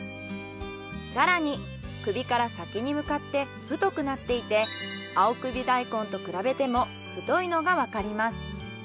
更に首から先に向かって太くなっていて青首大根と比べても太いのがわかります。